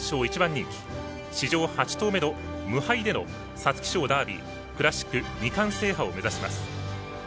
史上８頭目の無敗での皐月賞、ダービークラシック二冠制覇を目指します。